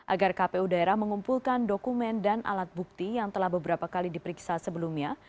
agar kpu daerah mengumpulkan dokumen dan alat bukti yang telah beberapa kali diperiksa sebelumnya